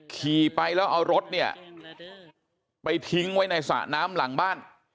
ขี่ไปแล้วเอารถเนี่ยไปทิ้งไว้ในสระน้ำหลังบ้าน